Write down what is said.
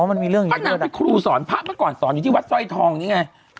อ๋อมันมีเรื่องอย่างงี้ด้วยแหละพระนางเป็นครูสอนพระเมื่อก่อนสอนอยู่ที่วัดสร้อยทองนี่ไง